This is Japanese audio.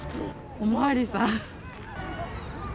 お巡りさん。